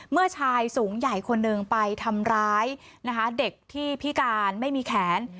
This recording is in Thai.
เมื่อชายสูงใหญ่คนหนึ่งไปทำร้ายนะคะเด็กที่พิการไม่มีแขน